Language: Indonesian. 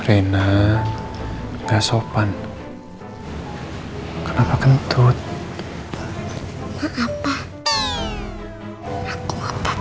rina ga sopan kenapa kentut apa apa aku